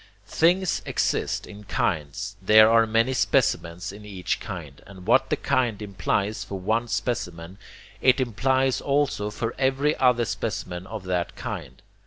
Things exist in kinds, there are many specimens in each kind, and what the 'kind' implies for one specimen, it implies also for every other specimen of that kind.